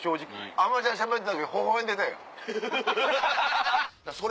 『あまちゃん』のしゃべってた時ほほ笑んでたやん。